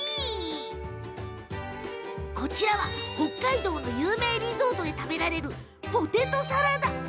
こちらは北海道の有名リゾートで食べられるポテトサラダ。